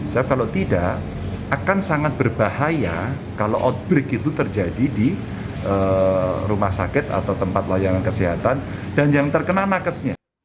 saya kalau tidak akan sangat berbahaya kalau outbreak itu terjadi di rumah sakit atau tempat layanan kesehatan dan yang terkena nakesnya